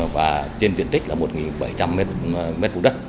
và trên diện tích là một bảy trăm linh m hai đất